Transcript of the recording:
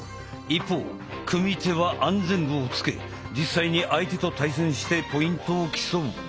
一方組手は安全具をつけ実際に相手と対戦してポイントを競う。